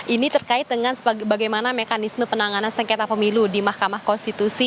ini terkait dengan bagaimana mekanisme penanganan sengketa pemilu di mahkamah konstitusi